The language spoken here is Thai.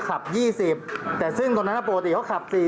เขาก็ขับ๒๐นาที